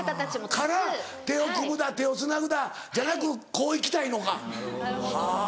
から手を組むだ手をつなぐだじゃなくこういきたいのかはぁ。